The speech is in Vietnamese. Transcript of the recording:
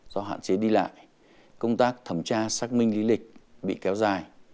do hạn chế đi lại công tác thẩm tra xác minh lý lịch bị kéo dài